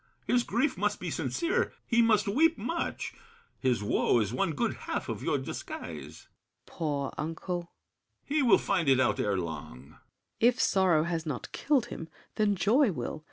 His grief must be sincere; he must weep much. His woe is one good half of your disguise. SAVERNY. Poor uncle! BRICHANTEAU. He will find it out ere long. SAVERNY. If sorrow has not killed him, then joy will.